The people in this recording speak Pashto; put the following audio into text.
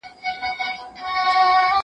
ما د سبا لپاره د يادښتونه بشپړ کړي دي!؟